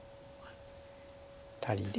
アタリで。